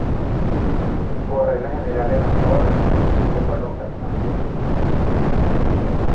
Por regla general en la torre se colocan, más de una.